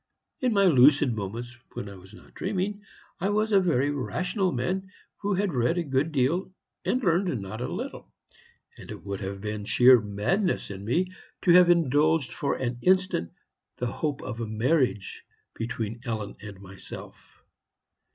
In my lucid moments, when I was not dreaming, I was a very rational man, who had read a good deal, and learned not a little; and it would have been sheer madness in me to have indulged for an instant the hope of a marriage between Ellen and myself.